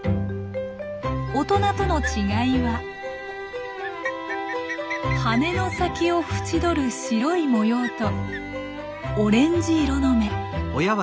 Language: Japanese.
大人との違いは羽の先を縁取る白い模様とオレンジ色の目。